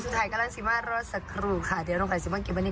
ถ่ายสามสามสี่